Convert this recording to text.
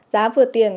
giá vừa tiền